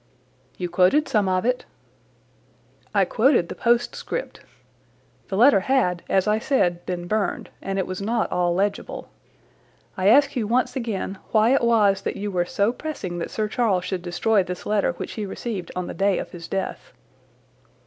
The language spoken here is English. "You quoted some of it." "I quoted the postscript. The letter had, as I said, been burned and it was not all legible. I ask you once again why it was that you were so pressing that Sir Charles should destroy this letter which he received on the day of his death."